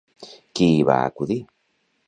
Qui hi va acudir?